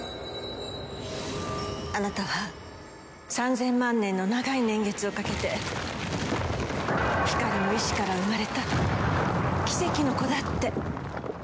あなたは３，０００万年の長い年月をかけて光の意思から生まれた奇跡の子だって。